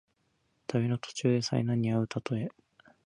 旅の途中で災難にあうたとえ。